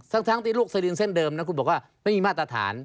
ทั้งที่ลูกสลิงเส้นเดิมนะคุณบอกว่าไม่มีมาตรฐาน